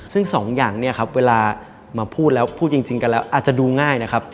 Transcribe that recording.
ซึ่งสองอย่างเนี่ยครับเวลามาพูดแล้วพูดจริงกันแล้วอาจจะดูง่ายนะครับ